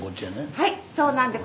はいそうなんです。